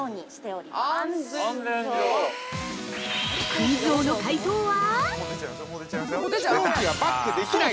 ◆クイズ王の解答は？